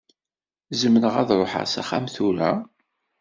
Zemreɣ ad ṛuḥeɣ s axxam tura?